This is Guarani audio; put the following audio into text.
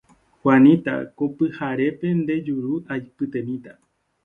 Juanita ko pyharépe nde juru aipytemíta